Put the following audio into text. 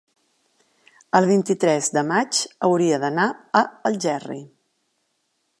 el vint-i-tres de maig hauria d'anar a Algerri.